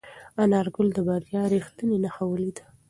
انارګل د بریا رښتینې نښه ولیده.